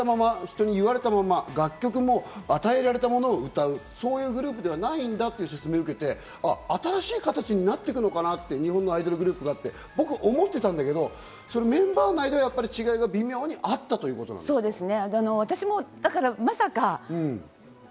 振り付けも言われたまま、やられたまま、楽曲も与えられたものを歌う、そういうグループじゃないんだという説明を受けて、新しい形になっていくのかな、日本のアイドルグループだってって思ってたんだけどメンバー内では微妙に違いがあったってことですか？